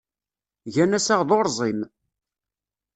Gan assaɣ d urẓim.